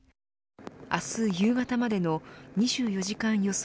明日夕方までの２４時間予想